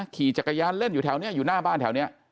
ขี่จักรยานเล่นอยู่แถวนี้อยู่หน้าบ้านแถวนี้